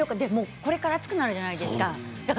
これから暑くなるじゃないですか。